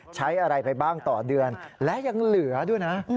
ใช้อะไรไปบ้างต่อเดือนและยังเหลือด้วยนะ